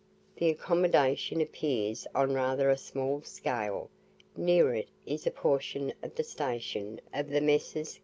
The accommodation appears on rather a small scale. Near it is a portion of the station of the Messrs.